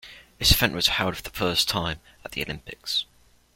This event was held for the first time at the Olympics.